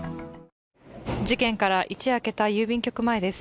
事件から一夜明けた郵便局前です。